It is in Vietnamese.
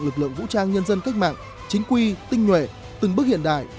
lực lượng vũ trang nhân dân cách mạng chính quy tinh nhuệ từng bước hiện đại